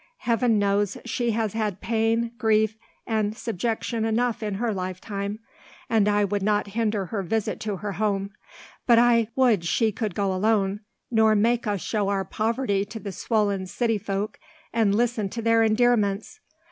Heaven knows she has had pain, grief, and subjection enough in her lifetime, and I would not hinder her visit to her home; but I would she could go alone, nor make us show our poverty to the swollen city folk, and listen to their endearments.